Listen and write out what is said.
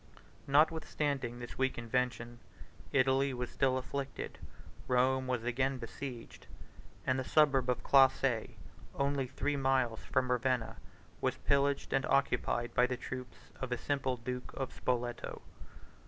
Notwithstanding this weak invention, Italy was still afflicted, Rome was again besieged, and the suburb of Classe, only three miles from Ravenna, was pillaged and occupied by the troops of a simple duke of Spoleto.